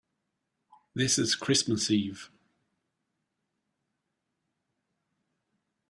This is Christmas Eve.